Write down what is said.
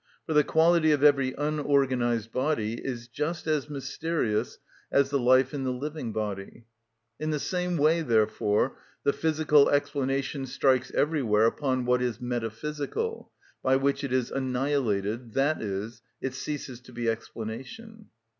For the quality of every unorganised body is just as mysterious as the life in the living body. In the same way, therefore, the physical explanation strikes everywhere upon what is metaphysical, by which it is annihilated, i.e., it ceases to be explanation.